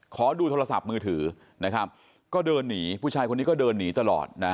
ขอดูโทรศัพท์มือถือนะครับก็เดินหนีผู้ชายคนนี้ก็เดินหนีตลอดนะ